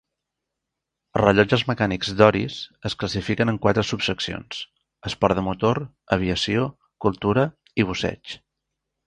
Els rellotges mecànics d'Oris es classifiquen en quatre subseccions: esport de motor, aviació, cultura i busseig.